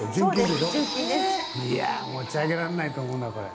いや持ち上げられないと思うなこれ。